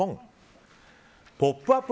「ポップＵＰ！」